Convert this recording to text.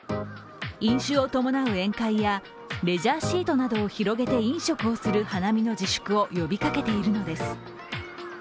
飲酒を伴う宴会やレジャーシートなどを広げて飲食をする花見の自粛を呼びかけているのです。